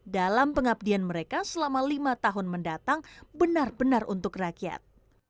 dalam pengabdian mereka selama lima tahun mendatang benar benar untuk rakyat